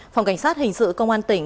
phòng cảnh sát hình sự công an tỉnh